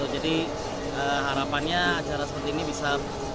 jadi harapannya acara seperti ini bisa